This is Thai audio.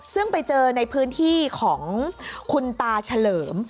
ซึ่งไปเจอในพื้นที่ของคุณตาเฉลิม